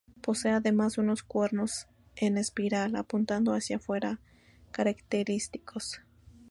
Posee además unos cuernos en espiral apuntando hacia fuera característicos.